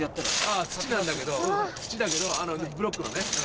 あぁ土なんだけど土だけどブロックのね。